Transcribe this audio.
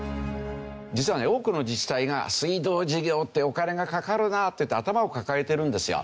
実はね多くの自治体が水道事業ってお金がかかるなって頭を抱えてるんですよ。